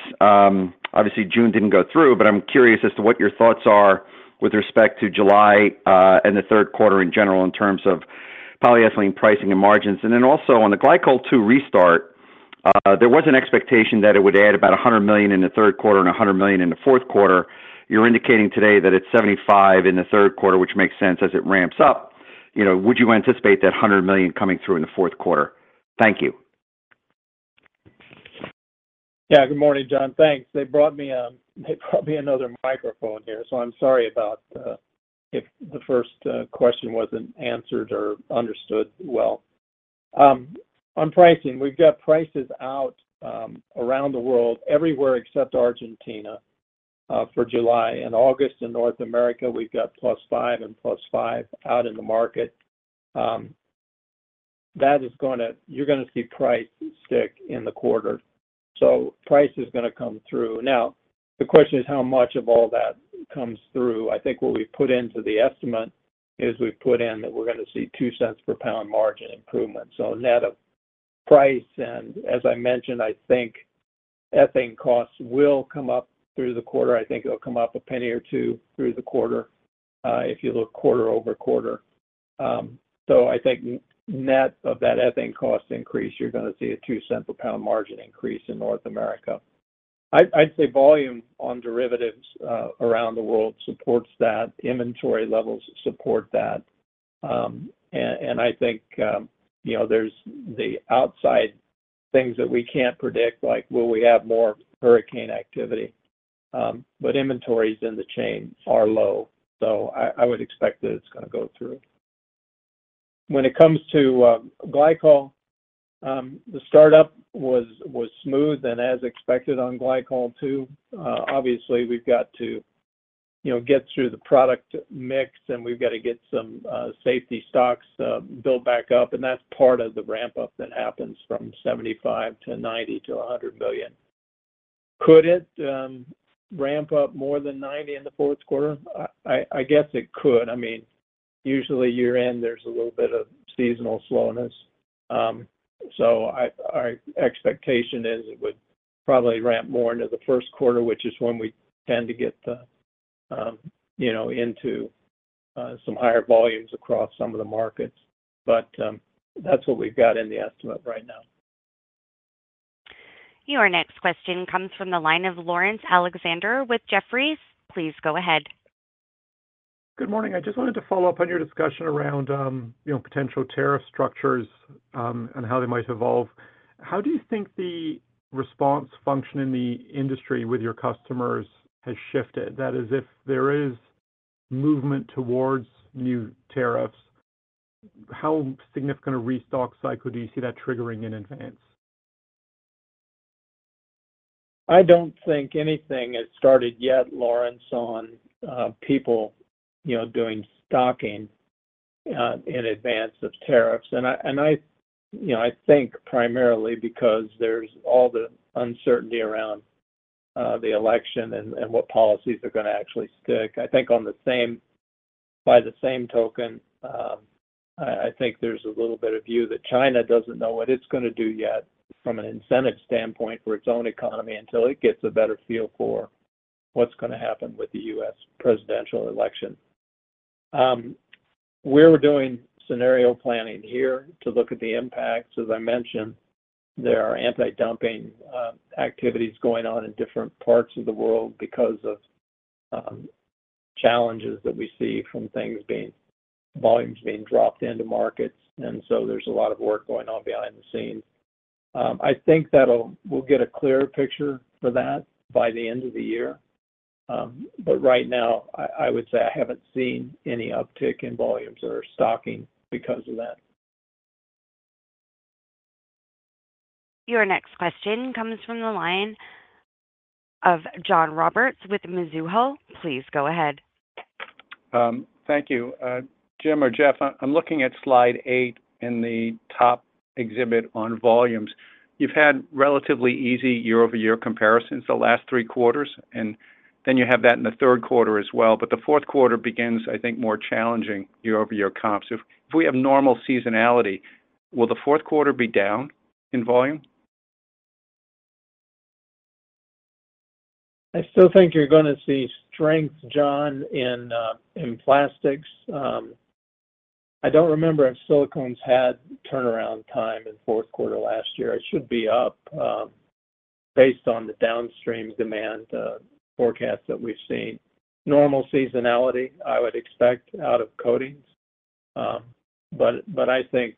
obviously, June didn't go through, but I'm curious as to what your thoughts are with respect to July and the third quarter in general, in terms of polyethylene pricing and margins. And then also on the Glycol 2 restart, there was an expectation that it would add about $100 million in the third quarter and $100 million in the fourth quarter. You're indicating today that it's $75 million in the third quarter, which makes sense as it ramps up. You know, would you anticipate that $100 million coming through in the fourth quarter? Thank you. Yeah. Good morning, John. Thanks. They brought me another microphone here, so I'm sorry about if the first question wasn't answered or understood well. On pricing, we've got prices out around the world, everywhere except Argentina, for July and August. In North America, we've got +5 and +5 out in the market. That is gonna—you're gonna see price stick in the quarter, so price is gonna come through. Now, the question is how much of all that comes through? I think what we put into the estimate is we've put in that we're gonna see two cents per pound margin improvement. So net of price, and as I mentioned, I think ethane costs will come up through the quarter. I think it'll come up $0.01 or $0.02 through the quarter, if you look quarter-over-quarter. So I think net of that ethane cost increase, you're gonna see a $0.02-per-pound margin increase in North America. I'd, I'd say volume on derivatives around the world supports that, inventory levels support that. And, and I think, you know, there's the outside things that we can't predict, like will we have more hurricane activity? But inventories in the chain are low, so I, I would expect that it's gonna go through. When it comes to glycol, the startup was, was smooth and as expected on glycol, too. Obviously, we've got to, you know, get through the product mix, and we've got to get some safety stocks built back up, and that's part of the ramp-up that happens from $75 million to $90 million to $100 million. Could it ramp up more than $90 million in the fourth quarter? I guess it could. I mean, usually year-end, there's a little bit of seasonal slowness. So our expectation is it would probably ramp more into the first quarter, which is when we tend to get the, you know, into some higher volumes across some of the markets. But that's what we've got in the estimate right now. Your next question comes from the line of Laurence Alexander with Jefferies. Please go ahead. Good morning. I just wanted to follow up on your discussion around, you know, potential tariff structures, and how they might evolve. How do you think the response function in the industry with your customers has shifted? That is, if there is movement towards new tariffs, how significant a restock cycle do you see that triggering in advance? I don't think anything has started yet, Laurence, on people, you know, doing stocking in advance of tariffs. And I, and I, you know, I think primarily because there's all the uncertainty around the election and what policies are gonna actually stick. I think on the same—by the same token, I think there's a little bit of view that China doesn't know what it's gonna do yet from an incentive standpoint for its own economy until it gets a better feel for what's gonna happen with the U.S. presidential election. We're doing scenario planning here to look at the impacts. As I mentioned, there are anti-dumping activities going on in different parts of the world because of challenges that we see from volumes being dropped into markets, and so there's a lot of work going on behind the scenes. I think we'll get a clearer picture for that by the end of the year. But right now, I, I would say I haven't seen any uptick in volumes or stocking because of that. Your next question comes from the line of John Roberts with Mizuho. Please go ahead. Thank you. Jim or Jeff, I'm looking at slide 8 in the top exhibit on volumes. You've had relatively easy year-over-year comparisons the last 3 quarters, and then you have that in the third quarter as well, but the fourth quarter begins, I think, more challenging year-over-year comps. If we have normal seasonality, will the fourth quarter be down in volume? I still think you're gonna see strength, John, in plastics. I don't remember if silicones had turnaround time in fourth quarter last year. It should be up, based on the downstream demand forecast that we've seen. Normal seasonality, I would expect out of coatings. But I think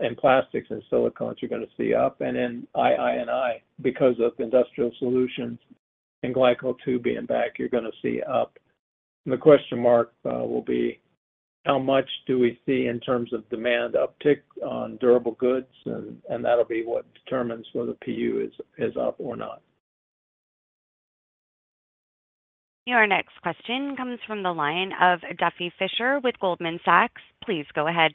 in plastics and silicones, you're gonna see up, and in II&I, because of industrial solutions and Glycol 2 being back, you're gonna see up. The question mark will be: how much do we see in terms of demand uptick on durable goods? And that'll be what determines whether PU is up or not. Your next question comes from the line of Duffy Fischer with Goldman Sachs. Please go ahead.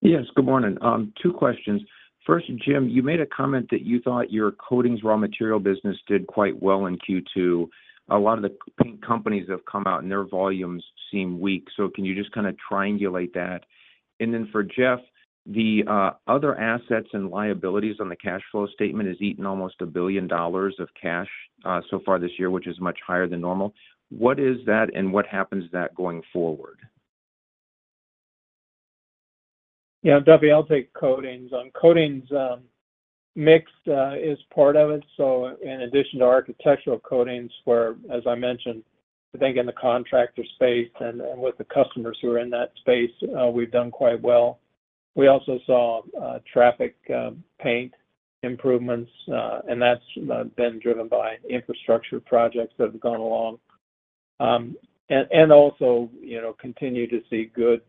Yes, good morning. Two questions. First, Jim, you made a comment that you thought your coatings raw material business did quite well in Q2. A lot of the paint companies have come out, and their volumes seem weak, so can you just kinda triangulate that? And then for Jeff, the other assets and liabilities on the cash flow statement has eaten almost $1 billion of cash so far this year, which is much higher than normal. What is that, and what happens to that going forward? Yeah, Duffy, I'll take coatings. On coatings, mix is part of it, so in addition to architectural coatings, where, as I mentioned, I think in the contractor space and, and with the customers who are in that space, we've done quite well. We also saw traffic paint improvements, and that's been driven by infrastructure projects that have gone along. And also, you know, continue to see good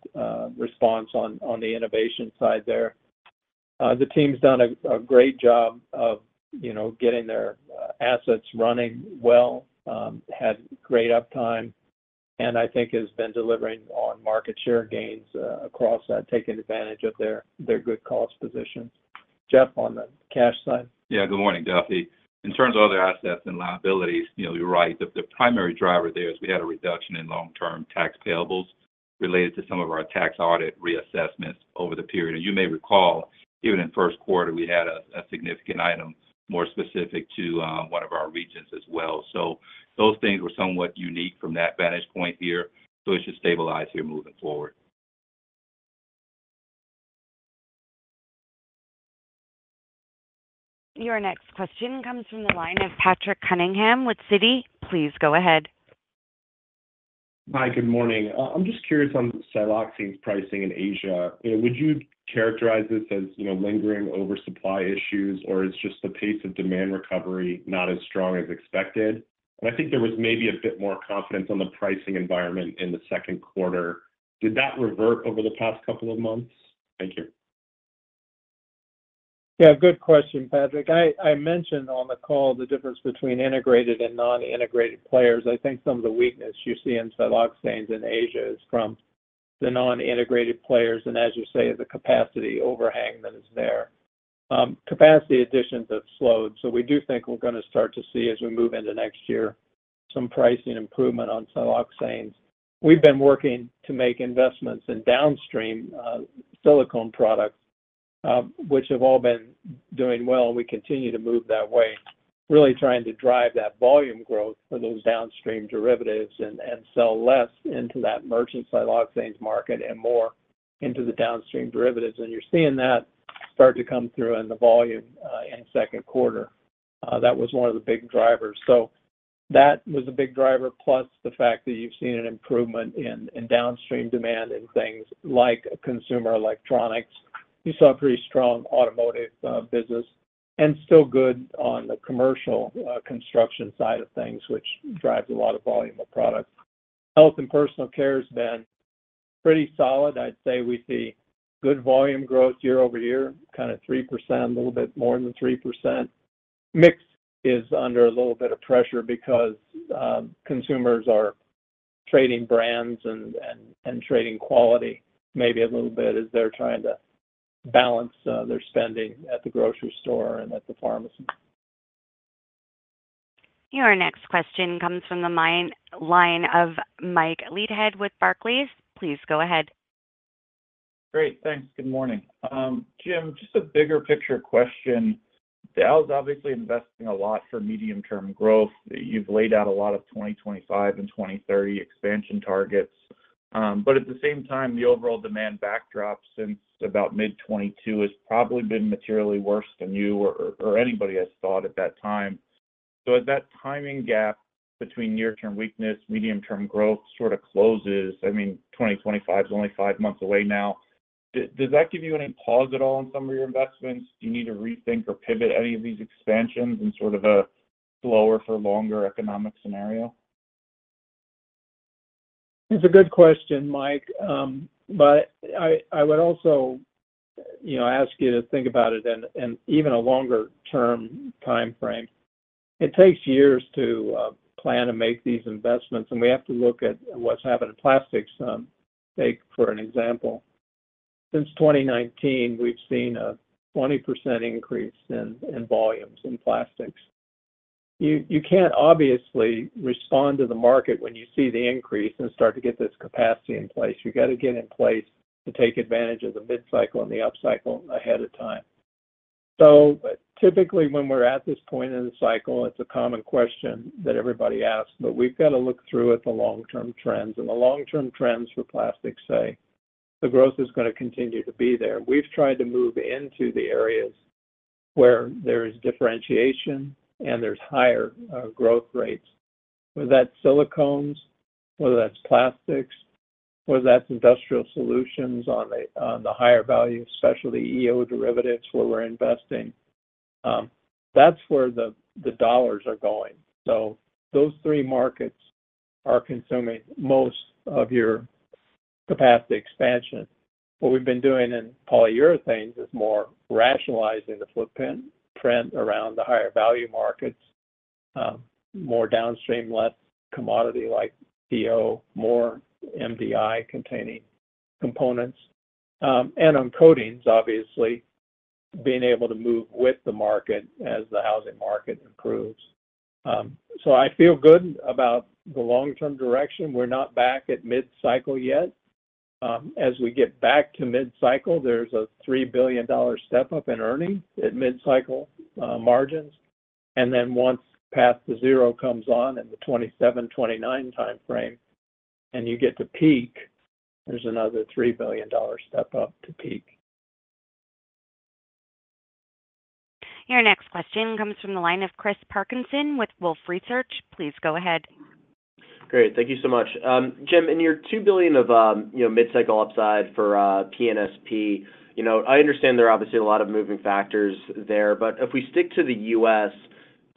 response on, on the innovation side there. The team's done a great job of, you know, getting their assets running well, had great uptime, and I think has been delivering on market share gains, across that, taking advantage of their good cost positions. Jeff, on the cash side? Yeah, good morning, Duffy. In terms of other assets and liabilities, you know, you're right. The primary driver there is we had a reduction in long-term tax payables related to some of our tax audit reassessments over the period. And you may recall, even in the first quarter, we had a significant item more specific to one of our regions as well. So those things were somewhat unique from that vantage point of view, so it should stabilize here moving forward. Your next question comes from the line of Patrick Cunningham with Citi. Please go ahead. Hi, good morning. I'm just curious on siloxanes pricing in Asia. Would you characterize this as, you know, lingering oversupply issues, or it's just the pace of demand recovery not as strong as expected? And I think there was maybe a bit more confidence on the pricing environment in the second quarter. Did that revert over the past couple of months? Thank you. Yeah, good question, Patrick. I mentioned on the call the difference between integrated and non-integrated players. I think some of the weakness you see in siloxanes in Asia is from the non-integrated players, and as you say, the capacity overhang that is there. Capacity additions have slowed, so we do think we're gonna start to see, as we move into next year, some pricing improvement on siloxanes. We've been working to make investments in downstream silicone products, which have all been doing well, and we continue to move that way, really trying to drive that volume growth for those downstream derivatives and sell less into that merchant siloxanes market and more into the downstream derivatives. And you're seeing that start to come through in the volume in the second quarter. That was one of the big drivers. So that was a big driver, plus the fact that you've seen an improvement in downstream demand in things like consumer electronics. You saw pretty strong automotive business, and still good on the commercial construction side of things, which drives a lot of volume of products. Health and personal care has been pretty solid. I'd say we see good volume growth year-over-year, kind of 3%, a little bit more than 3%.... mix is under a little bit of pressure because consumers are trading brands and trading quality maybe a little bit as they're trying to balance their spending at the grocery store and at the pharmacy. Your next question comes from the line of Michael Leithead with Barclays. Please go ahead. Great, thanks. Good morning. Jim, just a bigger picture question. Dow's obviously investing a lot for medium-term growth. You've laid out a lot of 2025 and 2030 expansion targets, but at the same time, the overall demand backdrop since about mid-2022 has probably been materially worse than you or anybody has thought at that time. So as that timing gap between near-term weakness, medium-term growth sort of closes, I mean, 2025 is only five months away now, does that give you any pause at all on some of your investments? Do you need to rethink or pivot any of these expansions in sort of a slower for longer economic scenario? It's a good question, Mike. But I would also, you know, ask you to think about it in even a longer-term timeframe. It takes years to plan and make these investments, and we have to look at what's happened in plastics. Take, for an example, since 2019, we've seen a 20% increase in volumes in plastics. You can't obviously respond to the market when you see the increase and start to get this capacity in place. You got to get in place to take advantage of the mid-cycle and the upcycle ahead of time. So typically, when we're at this point in the cycle, it's a common question that everybody asks, but we've got to look through at the long-term trends. And the long-term trends for plastics say the growth is gonna continue to be there. We've tried to move into the areas where there is differentiation and there's higher growth rates, whether that's silicones, whether that's plastics, whether that's industrial solutions on the higher value, especially EO derivatives, where we're investing. That's where the dollars are going. So those three markets are consuming most of your capacity expansion. What we've been doing in polyurethanes is more rationalizing the footprint around the higher value markets, more downstream, less commodity like EO, more MDI-containing components. And on coatings, obviously, being able to move with the market as the housing market improves. So I feel good about the long-term direction. We're not back at mid-cycle yet. As we get back to mid-cycle, there's a $3 billion step-up in earnings at mid-cycle, margins, and then once Path to Zero comes on in the 2027-2029 timeframe, and you get to peak, there's another $3 billion step-up to peak. Your next question comes from the line of Chris Parkinson with Wolfe Research. Please go ahead. Great. Thank you so much. Jim, in your $2 billion of, you know, mid-cycle upside for, P&SP, you know, I understand there are obviously a lot of moving factors there, but if we stick to the U.S.,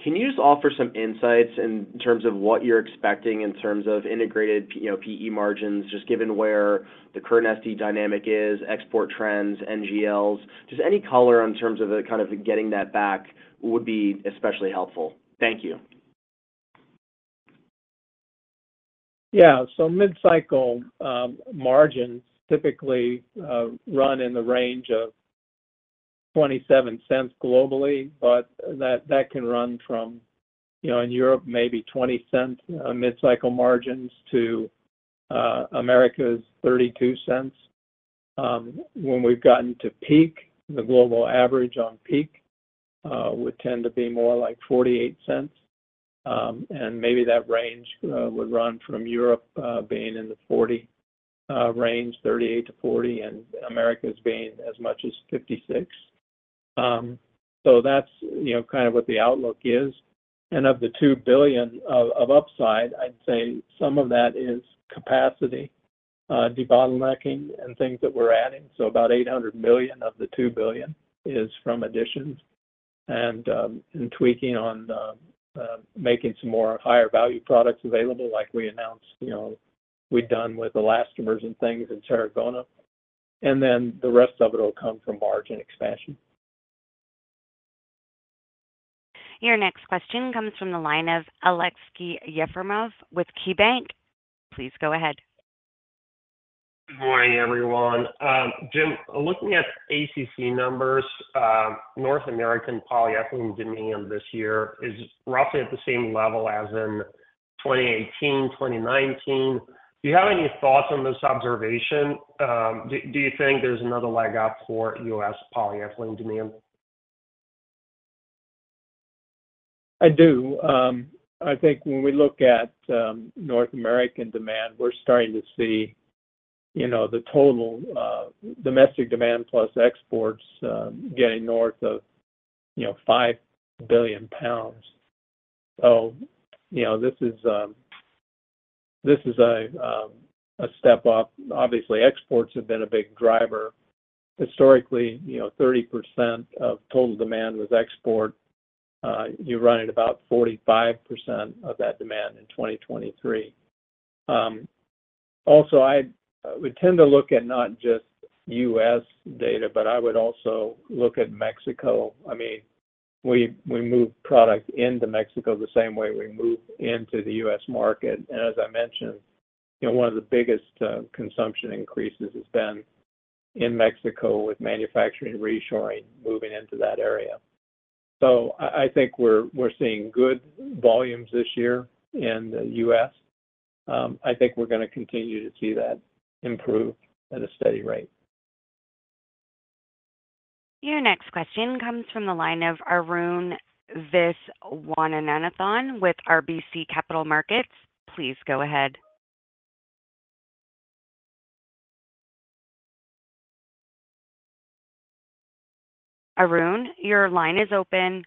can you just offer some insights in terms of what you're expecting in terms of integrated, you know, PE margins, just given where the current SD dynamic is, export trends, NGLs? Just any color in terms of the kind of getting that back would be especially helpful. Thank you. Yeah, so mid-cycle, margins typically run in the range of $0.27 globally, but that, that can run from, you know, in Europe, maybe $0.20 mid-cycle margins to Americas $0.32. When we've gotten to peak, the global average on peak would tend to be more like $0.48. And maybe that range would run from Europe being in the $0.40 range, $0.38-$0.40, and Americas being as much as $0.56. So that's, you know, kind of what the outlook is. And of the $2 billion of upside, I'd say some of that is capacity debottlenecking and things that we're adding. So about $800 million of the $2 billion is from additions and tweaking on making some more higher value products available, like we announced, you know, we've done with elastomers and things in Tarragona, and then the rest of it will come from margin expansion. Your next question comes from the line of Aleksey Yefremov with KeyBanc Capital Markets. Please go ahead. Good morning, everyone. Jim, looking at ACC numbers, North American polyethylene demand this year is roughly at the same level as in 2018, 2019. Do you have any thoughts on this observation? Do you think there's another leg up for US polyethylene demand? I do. I think when we look at North American demand, we're starting to see, you know, the total domestic demand plus exports getting north of, you know, 5 billion pounds. So, you know, this is a step-up. Obviously, exports have been a big driver. Historically, you know, 30% of total demand was export. You're running about 45% of that demand in 2023. Also, we tend to look at not just U.S. data, but I would also look at Mexico. I mean, we move product into Mexico the same way we move into the U.S. market. And as I mentioned, you know, one of the biggest consumption increases has been in Mexico with manufacturing reshoring, moving into that area. So I think we're seeing good volumes this year in the U.S. I think we're gonna continue to see that improve at a steady rate. Your next question comes from the line of Arun Viswanathan with RBC Capital Markets. Please go ahead. Arun, your line is open.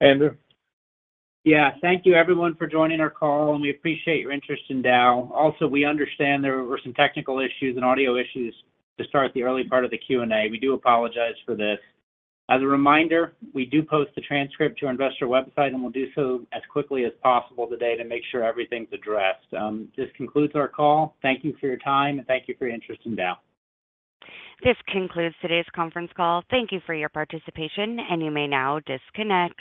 Andrew? Yeah, thank you, everyone, for joining our call, and we appreciate your interest in Dow. Also, we understand there were some technical issues and audio issues to start the early part of the Q&A. We do apologize for this. As a reminder, we do post the transcript to our investor website, and we'll do so as quickly as possible today to make sure everything's addressed. This concludes our call. Thank you for your time, and thank you for your interest in Dow. This concludes today's conference call. Thank you for your participation, and you may now disconnect.